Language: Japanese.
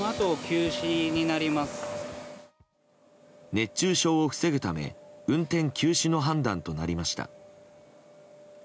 熱中症を防ぐため運転休止の判断となりました。